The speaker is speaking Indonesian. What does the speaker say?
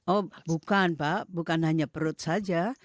oh bukan pak bukan hanya perut saja